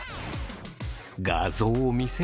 画像を見せると。